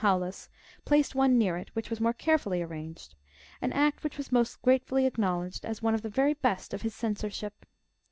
Paulus, placed one near it, which was more carefully ar ranged : an act which was most gratefully acknowledged, as one of the very best of his censorship.